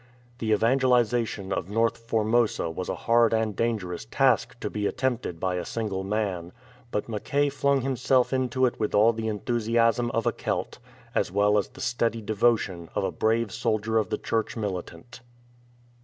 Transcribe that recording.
The evangelization of North Formosa was a hard and dangerous task to be attempted by a single man, but Mackay flung himself into it with all the enthusiasm of a Celt, as well as the steady devotion of a brave soldier of the Church mili tant.